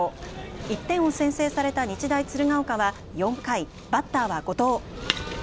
１点を先制された日大鶴ヶ丘は４回、バッターは後藤。